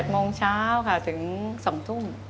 โมงเช้าค่ะถึง๒ทุ่ม